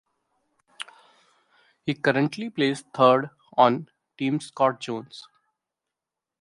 He currently plays third on Team Scott Jones.